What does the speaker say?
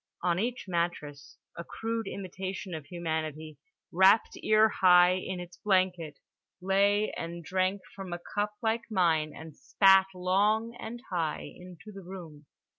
On each mattress a crude imitation of humanity, wrapped ear high in its blanket, lay and drank from a cup like mine and spat long and high into the room.